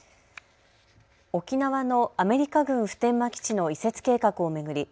沖縄のアメリカ軍普天間基地の移設計画を巡り